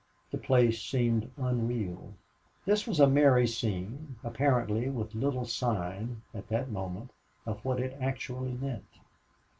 The place seemed unreal. This was a merry scene, apparently with little sign, at that moment, of what it actually meant.